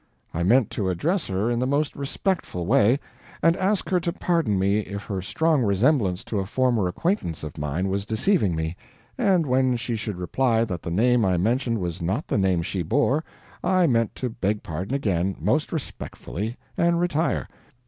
I meant to address her in the most respectful way and ask her to pardon me if her strong resemblance to a former acquaintance of mine was deceiving me; and when she should reply that the name I mentioned was not the name she bore, I meant to beg pardon again, most respectfully, and retire.